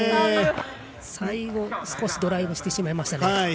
最後少しドライブしてしまいました。